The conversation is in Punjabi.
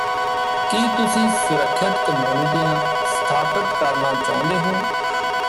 ਕੀ ਤੁਸੀਂ ਸੁਰੱਖਿਅਤ ਕਮਿਊਨਿਟੀਆਂ ਸਥਾਪਤ ਕਰਨਾ ਚਾਹੁੰਦੇ ਹੋ